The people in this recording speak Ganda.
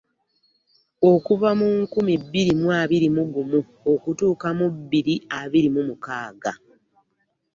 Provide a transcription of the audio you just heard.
Okuva mu nkumi bbiri mu abiri mu gumu okutuuka mu bbiri abiri mu mukaaga.